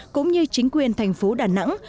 cũng như chính quyền thành phố đà nẵng